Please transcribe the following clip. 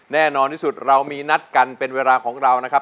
แน่นอนที่สุดเรามีนัดกันเป็นเวลาของเรานะครับ